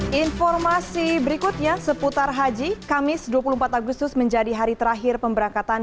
hai informasi berikutnya seputar haji kamis dua puluh empat agustus menjadi hari terakhir pemberangkatan